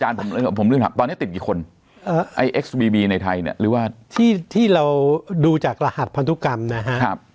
จากเราดูจากรหัสพันธุกรรมนะครับ